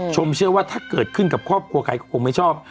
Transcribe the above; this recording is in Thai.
เชื่อว่าถ้าเกิดขึ้นกับครอบครัวใครก็คงไม่ชอบ